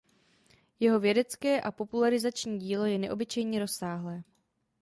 Jeho vědecké a popularizační dílo je neobyčejně rozsáhlé.